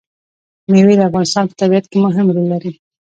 مېوې د افغانستان په طبیعت کې مهم رول لري.